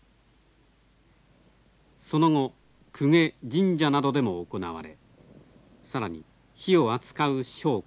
その後公家神社などでも行われ更に火を扱う商家